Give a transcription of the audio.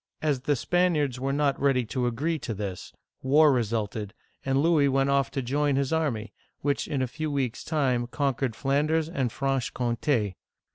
As the Spaniards were not ready to agree to this, war resulted, and Louis went off to join his army, which in a few weeks* time conquered Flanders and Franche Comte (fraNsh coN ta').